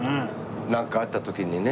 なんかあった時にね。